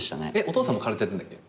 お父さんも空手やってるんだっけ？